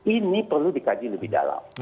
ini perlu dikaji lebih dalam